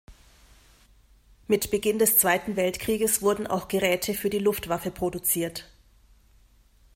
Mit Beginn des Zweiten Weltkrieges wurden auch Geräte für die Luftwaffe produziert.